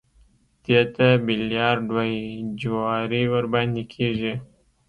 دې ته بيليارډ وايي جواري ورباندې کېږي.